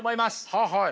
はあはい。